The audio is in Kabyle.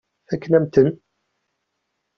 Fakken-am-ten.